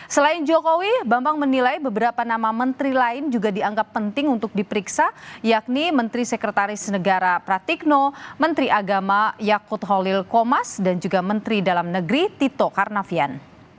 selain jokowi bambang menilai beberapa nama menteri lain juga dianggap penting untuk diperiksa yakni menteri sekretaris negara pratikno menteri agama yakut holil komas dan juga menteri dalam negeri tito karnavian